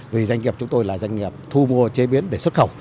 vì doanh nghiệp chúng tôi là doanh nghiệp thu mua chế biến để xuất khẩu